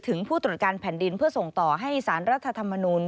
ผู้ตรวจการแผ่นดินเพื่อส่งต่อให้สารรัฐธรรมนูล